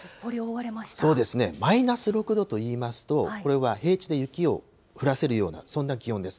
そうですね、マイナス６度といいますと、これは平地で雪を降らせるような、そんな気温です。